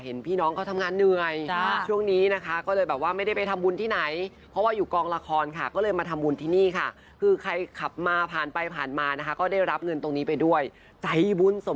เห็นพี่น้องเขาทำงานเหนื่อยช่วงนี้นะคะก็เลยแบบว่าไม่ได้ไปทำบุญที่ไหน